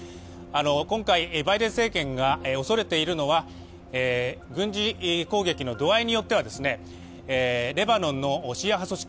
今回、バイデン政権が恐れているのは軍事攻撃の度合いによってはレバノンのシーア派組織